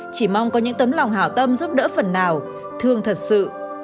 chỉ mong có những tấm lòng hảo tâm giúp đỡ phần nào thương thật sự